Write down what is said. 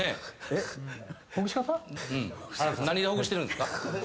何でほぐしてるんですか？